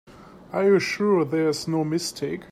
Are you sure there's no mistake?